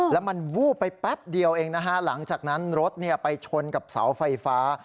แล้วมันวูบไปแป๊บเดียวเองนะฮะหลังจากนั้นรถไปชนกับเสาไฟฟ้า